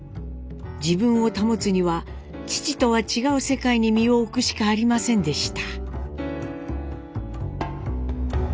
自分を保つには父とは違う世界に身を置くしかありませんでした。